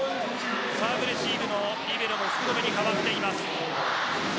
サーブレシーブもリベロの福留に変わっています。